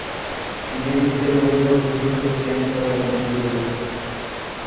মে থেকে নভেম্বর পর্যন্ত ক্যাম্প করার অনুমতি রয়েছে।